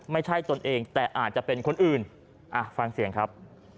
ไม่ใช่ตนเองแต่อาจจะเป็นคนอื่นอ่ะฟังเสียงครับ